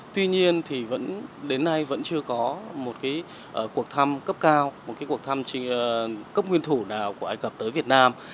tuy nhiên thì vẫn đến nay vẫn chưa có một cuộc thăm cấp cao một cái cuộc thăm cấp nguyên thủ nào của ai cập tới việt nam